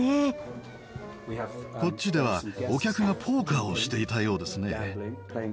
こっちではお客がポーカーをしていたようですね。